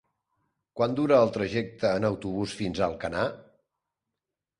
Quant dura el trajecte en autobús fins a Alcanar?